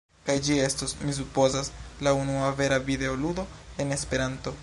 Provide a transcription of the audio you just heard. kaj ĝi estos, mi supozas, la unua vera videoludo en Esperanto.